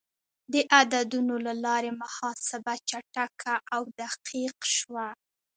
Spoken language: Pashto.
د عددونو له لارې محاسبه چټکه او دقیق شوه.